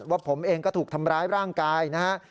ว่าผมเองก็ถูกทำร้ายร่างกายนะฮะ